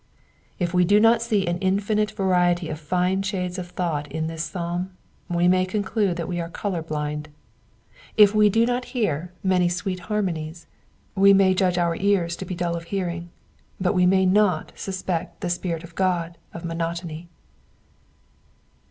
If we do not see an infinite variety of fine shades of thought in this psalm we may conclude that we are colour bhnd ; if we do not hear many sweet harmonies, we may judge our ears to be dull of hearing, but we may not suspect the Spirit of God of monotony.